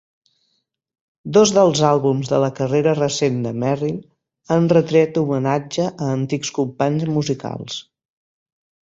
Dos dels àlbums de la carrera recent de Merrill han retret homenatge a antics companys musicals.